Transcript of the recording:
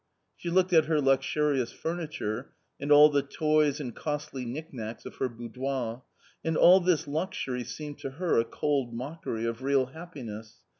She looked at her luxurious furniture and all the toys and costly knicknacks of her boudoir, and all this luxury seemed to her a cold mockery of real happiness.